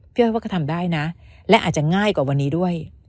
พี่เอาให้ว่าทำได้นะและอาจจะง่ายกว่าวันนี้ด้วย